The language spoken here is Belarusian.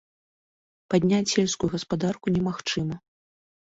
Падняць сельскую гаспадарку немагчыма.